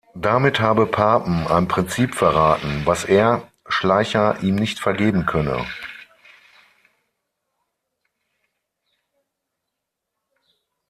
Damit habe Papen „ein Prinzip verraten“, was er, Schleicher, ihm nicht vergeben könne.